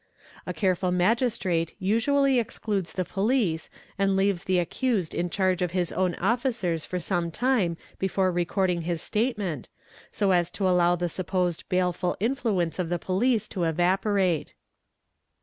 A careful Magistrate usually exclude the police and leaves the accused in charge of his own officers for som time before recording his statement, so as to allow the supposed baleft influence of the police to evaporate.